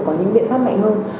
có những biện pháp mạnh hơn